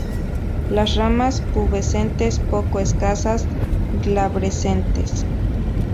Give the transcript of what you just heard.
Las ramas pubescentes poco escasas, glabrescentes.